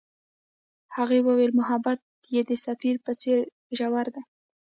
هغې وویل محبت یې د سفر په څېر ژور دی.